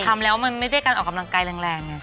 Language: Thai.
ทำแล้วมันไม่ได้การออกกำลังกายแรงเนี่ย